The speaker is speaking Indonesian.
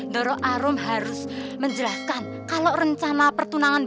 doro arum harus menjelaskan kalau rencana pertunangannya